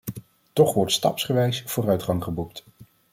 Toch wordt stapsgewijs vooruitgang geboekt.